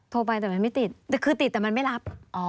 โทรไปแต่มันไม่ติดคือติดแต่มันไม่รับ